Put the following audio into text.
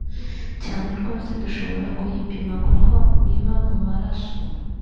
cyane rwose dushobora kuyipima kuko iba mu maraso